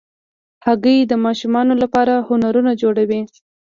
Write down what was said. هګۍ د ماشومانو لپاره هنرونه جوړوي.